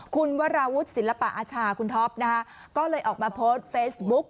คุณวราวุฒิศิลปะอาชาคุณท็อปนะฮะก็เลยออกมาโพสต์เฟซบุ๊ก